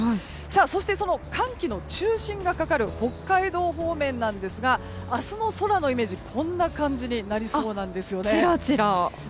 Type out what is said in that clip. そして、寒気の中心がかかる北海道方面なんですが明日の空のイメージこんな感じになりそうです。